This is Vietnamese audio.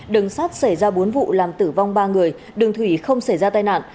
đường sắt xảy ra bốn vụ làm tử vong ba người đường thủy không xảy ra tai nạn